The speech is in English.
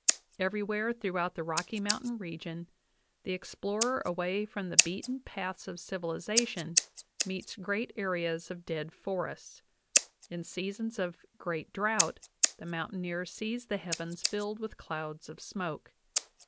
... Everywhere throughout the Rocky Mountain region the ex plorer, away from the beaten paths of civilization, meets great areas of dead forests ;... in seasons of great drought the mountaineer sees the heavens filled with clouds of smoke.